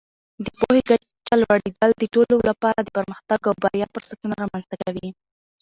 د پوهې کچه لوړېدل د ټولو لپاره د پرمختګ او بریا فرصتونه رامینځته کوي.